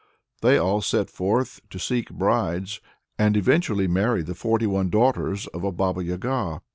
They all set forth to seek brides, and eventually marry the forty one daughters of a Baba Yaga.